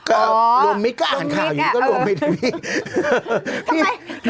อ๋อลวมมิซก็อ่านข่าวอยู่ก็ลูมมิซอ่ะพี่